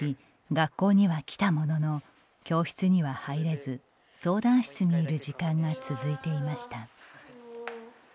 学校には来たものの教室には入れず、相談室にいる時間が続いていました。